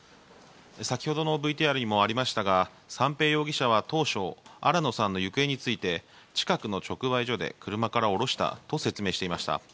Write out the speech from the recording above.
先ほどのＶＴＲにもありましたが三瓶容疑者は当初新野さんの行方について近くの直売所で車から降ろしたと説明していました。